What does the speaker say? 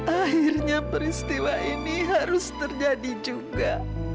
akhirnya peristiwa ini harus terjadi juga